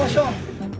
udah pada kosong